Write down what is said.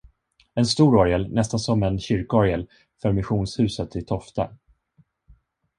En stor orgel, nästan som en kyrkorgel, för missionshuset i Tofta.